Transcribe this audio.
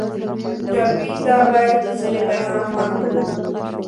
ټپي ته باید د سولې پیغام ورکړو.